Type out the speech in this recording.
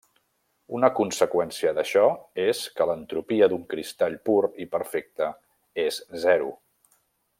Una conseqüència d'això és que l'entropia d'un cristall pur i perfecte és zero.